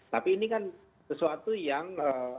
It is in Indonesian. tapi ini kan sesuatu yang